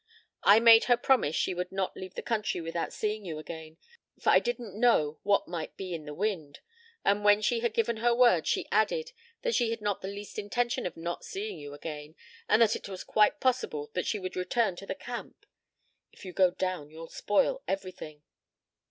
I made her promise she would not leave the country without seeing you again for I didn't know what might be in the wind and when she had given her word she added that she had not the least intention of not seeing you again, and that it was quite possible she would return to the camp. If you go down you'll spoil everything."